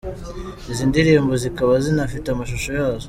Izi ndirimbo zikaba zinafite amashusho yazo.